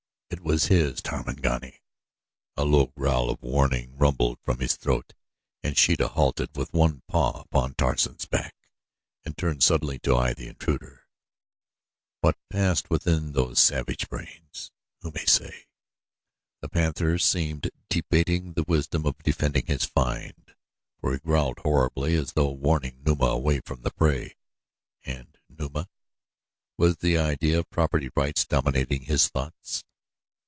It was his Tarmangani. A low growl of warning rumbled from his throat and Sheeta halted with one paw upon Tarzan's back and turned suddenly to eye the intruder. What passed within those savage brains? Who may say? The panther seemed debating the wisdom of defending his find, for he growled horribly as though warning Numa away from the prey. And Numa? Was the idea of property rights dominating his thoughts?